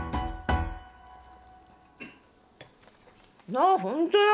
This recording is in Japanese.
ああ本当だ！